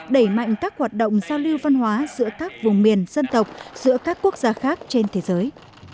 đẩy mạnh các hoạt động giao lưu văn hóa giữa các vùng miền dân tộc giữa các quốc gia khác trên thế giới